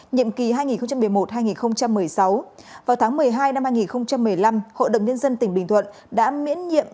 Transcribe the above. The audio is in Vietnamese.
nhiệm kỳ hai nghìn một mươi một hai nghìn một mươi sáu vào tháng một mươi hai năm hai nghìn một mươi năm hội đồng nhân dân tỉnh bình thuận đã miễn nhiệm